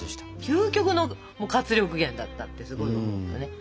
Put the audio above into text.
究極の活力源だったってすごい思ったね。